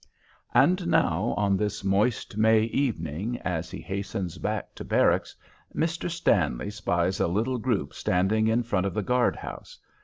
And now on this moist May evening as he hastens back to barracks, Mr. Stanley spies a little group standing in front of the guard house.